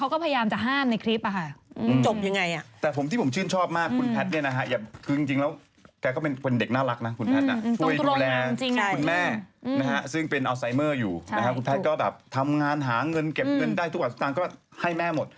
คุณแม่ซึ่งเป็นออสไซเมอร์อยู่คุณแพทย์ก็แบบทำงานหาเงินเก็บเงินได้ทุกวันสักทางก็ให้แม่หมด